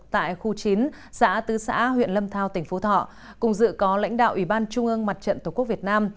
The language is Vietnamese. tại khu chín xã tứ xã huyện lâm thao tỉnh phú thọ cùng dự có lãnh đạo ủy ban trung ương mặt trận tổ quốc việt nam